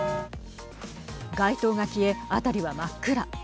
街灯が消え、辺りは真っ暗。